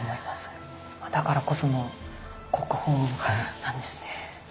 だからこその国宝なんですね。